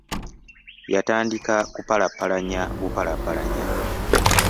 Yatandiika kupalappalanya bupalappalanya.